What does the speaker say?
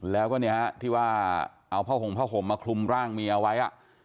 แล้วกันนี้ที่ว่าเอาผ้าโหน่งผ้าโหน่งมาคลุมร่างเมียไว้